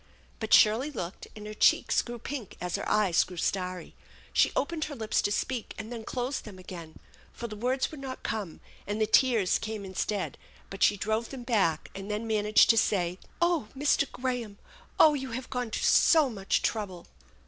" But Shirley looked, and her cheeks grew pink as her eyes grew starry. She opened her lips to speak, und then closed them again, for the words would not come, and the tears jame instead; but she drove them back, ard then managed to say: " Oh, Mr, Graham ! Oh, you have gone to so much trouble!"